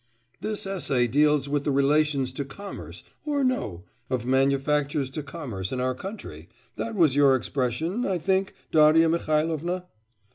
'This essay deals with the relations to commerce or no, of manufactures to commerce in our country.... That was your expression, I think, Darya Mihailovna?